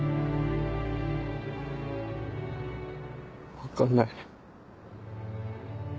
分かんない。